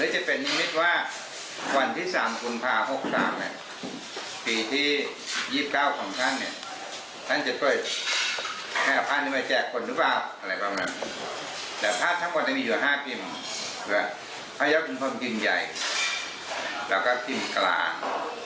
แต่ก็คุณจะฝากห้าเหนียมอยากอายุให้คนหนึ่ง